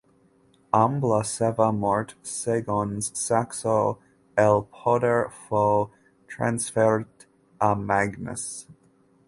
"Amb la seva mort", segons Saxo, "el poder fou transferit a Magnus".